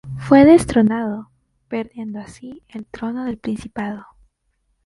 Fue destronado, perdiendo así el trono del principado.